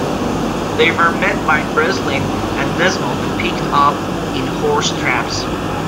They were met by Breslin and Desmond and picked up in horse traps.